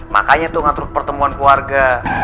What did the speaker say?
makanya tuh ngatur pertemuan keluarga